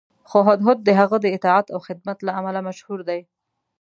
خو هدهد د هغه د اطاعت او خدمت له امله مشهور دی.